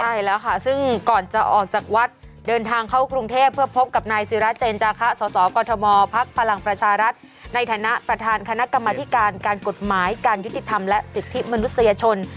ใช่แล้วค่ะซึ่งก่อนจะออกจากวัดเดินทางเข้ากรุงเทพเพื่อพบกับนายศิราเจนจาคะสสกมพักพลังประชารัฐในฐานะประธานคณะกรรมธิการการกฎหมายการยุติธรรมและสิทธิมนุษยชน